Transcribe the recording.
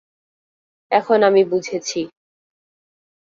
এখন আমি বুঝেছি।